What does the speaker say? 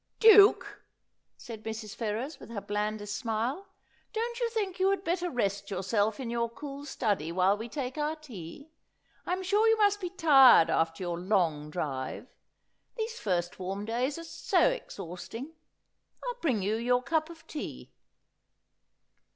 ' Duke,' said Mrs. Ferrers, with her blandest smile, ' don't you think you had better rest yourself in your cool study while we take our tea ? I'm sure you must be tired after your long drive. These first warm days are so exhausting. I'll bring you your cup of tea.'